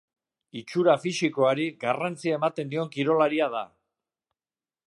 Itxura fisikoari garrantzia ematen dion kirolaria da.